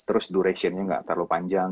terus duration nya gak terlalu panjang